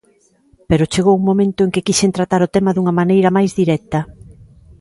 Pero chegou un momento en que quixen tratar o tema dunha maneira máis directa.